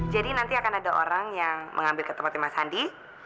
jadi nanti akan ada orang yang mengambil ketempatan mas sandi